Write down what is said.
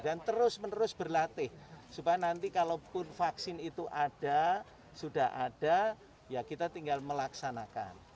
dan terus menerus berlatih supaya nanti kalaupun vaksin itu ada sudah ada ya kita tinggal melaksanakan